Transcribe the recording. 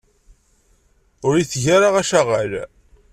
Ur iyi-teg ara acaɣal.